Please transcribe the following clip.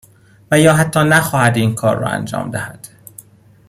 و یا حتی نخواهد این کار را انجام دهد.